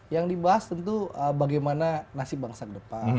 yang dibahas tentu bagaimana nasib bangsa ke depan